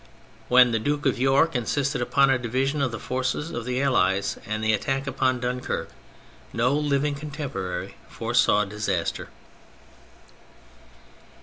When the Duke of York insisted upon a division of the forces of the Allies and an attack upon Dunquerque, no living contemporary foresaw disaster.